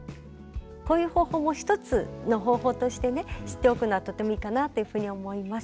こういう方法も一つの方法としてね知っておくのはとてもいいかなというふうに思います。